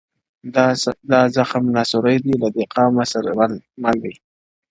• دا زخم ناسوري دی له دې قامه سره مل دی -